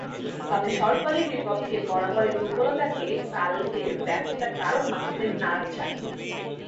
তবে শর্ট বলের বিপক্ষে বরাবরের দুর্বলতাকে কালকের ব্যর্থতার কারণ মানতে নারাজ সাকিব।